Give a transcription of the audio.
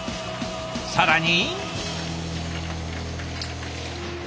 更に。